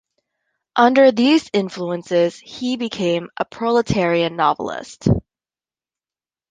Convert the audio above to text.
Under these influences he became a proletarian novelist.